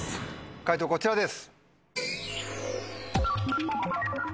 解答こちらです。